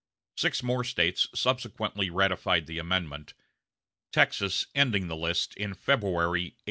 Six more States subsequently ratified the amendment, Texas ending the list in February, 1870.